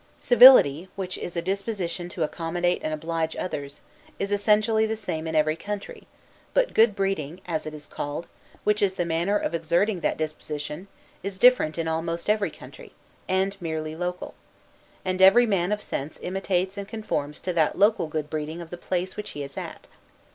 Civility, which is a disposition to accommodate and oblige others, is essentially the same in every country; but good breeding, as it is called, which is the manner of exerting that disposition, is different in almost every country, and merely local; and every man of sense imitates and conforms to that local good breeding of the place which he is at.